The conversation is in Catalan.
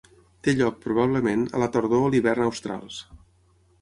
Té lloc, probablement, a la tardor o l'hivern australs.